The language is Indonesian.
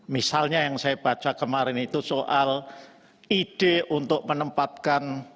misalnya yang saya baca kemarin itu soal ide untuk menempatkan